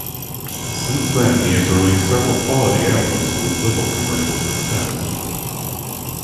Since then he has released several quality albums with little commercial success.